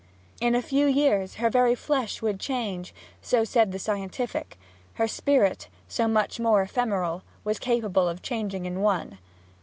In a few years her very flesh would change so said the scientific; her spirit, so much more ephemeral, was capable of changing in one.